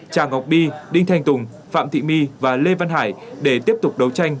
tràng ngọc bi đinh thành tùng phạm thị my và lê văn hải để tiếp tục đấu tranh